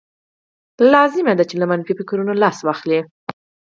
لازمه ده چې له منفي فکرونو لاس واخلئ.